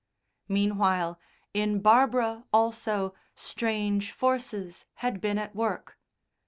Meanwhile, in Barbara also strange forces had been at work.